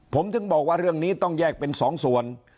ผมถึงบอกว่าเรื่องนี้ต้องแยกเป็นสองส่วน